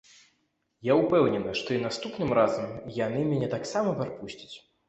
Я ўпэўнена, што і наступным разам яны мяне таксама прапусцяць.